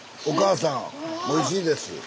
おかあさんおいしいです。